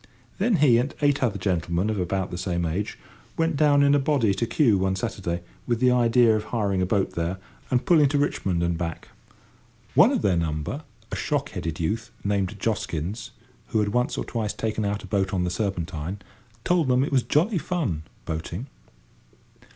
Then he and eight other gentlemen of about the same age went down in a body to Kew one Saturday, with the idea of hiring a boat there, and pulling to Richmond and back; one of their number, a shock headed youth, named Joskins, who had once or twice taken out a boat on the Serpentine, told them it was jolly fun, boating!